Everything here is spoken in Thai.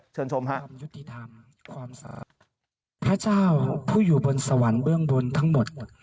เชิญชมครับ